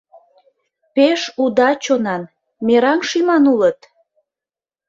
Пеш уда чонан, мераҥ шӱман улыт!